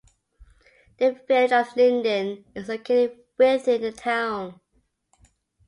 The Village of Linden is located within the town.